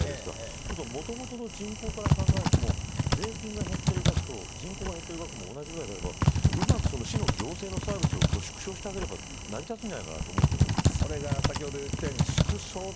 そうするともともとの人口から考えても税金が減っている額と人口が減っている額も同じぐらいであればうまく市の行政のサービスを縮小すれば成り立つんじゃないかなと思うんですけど。